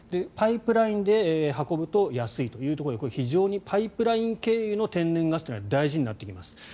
パイプラインで運ぶと安いということで非常にパイプライン経由の天然ガスというのは大事になってきます。